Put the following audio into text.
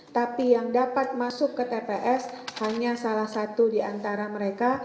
tapi yang dapat masuk ke tps hanya salah satu di antara mereka